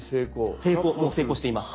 もう成功しています。